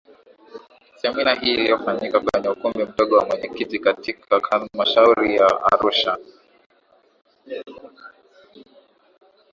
semina hii iliyofanyika kwenye Ukumbi mdogo wa mwenyekiti katika halmashauri ya Arusha